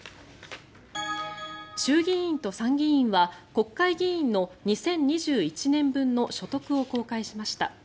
衆議院と参議院は国会議員の２０２１年分の所得を公開しました。